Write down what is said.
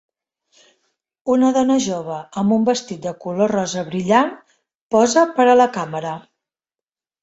Una dona jove amb un vestit de color rosa brillant posa per a la càmera.